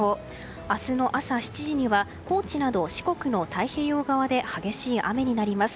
明日の朝７時には高知など四国の太平洋側で激しい雨になります。